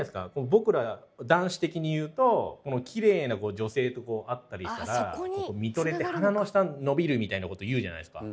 僕ら男子的にいうときれいな女性とこう会ったりしたら見とれて鼻の下伸びるみたいなこと言うじゃないですか。